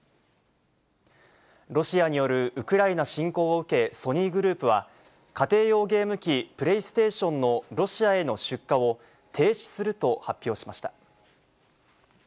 ロシアによるウクライナ侵攻を受け、ソニーグループは、家庭用ゲーム機、プレイステーションのロシアへの出荷を停止すると発表しました。